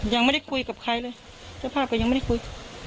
ยังไม่ได้คุยกับใครเลยเจ้าภาพก็ยังไม่ได้คุย